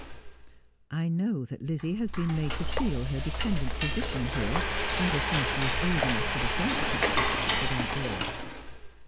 ' I know that Lizzie has been made to feel her dependent position here ever since she was old enough to be sensitive,' said Aunt Dora.